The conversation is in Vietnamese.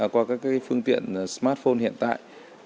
qua các phương tiện smartphone hiện tại